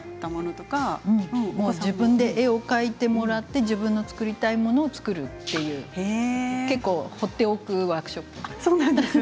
自分で絵を描いてもらって自分の作りたいものを作るという結構、放っておくワークショップです。